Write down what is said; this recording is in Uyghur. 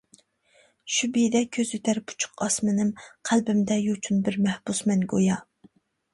شۈبھىدە كۆزىتەر پۇچۇق ئاسمىنىم، قەلبىمدە يوچۇن بىر مەھبۇسمەن گويا.